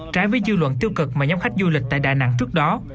trái với dư luận tiêu cực mà nhóm khách du lịch tại đà nẵng trước đó